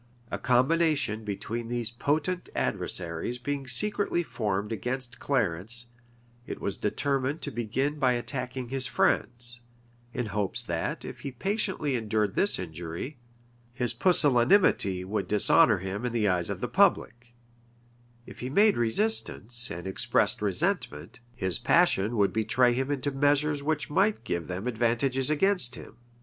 A combination between these potent adversaries being secretly formed against Clarence, it was determined to begin by attacking his friends; in hopes that, if he patiently endured this injury, his pusillanimity would dishonor him in the eyes of the public; if he made resistance, and expressed resentment, his passion would betray him into measures which might give them advantages against him.